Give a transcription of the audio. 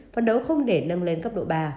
phấn đấu không để nâng lên cấp độ ba